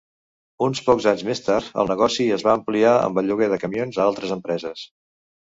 Uns pocs anys més tard, el negoci es va ampliar amb el lloguer de camions a altres empreses.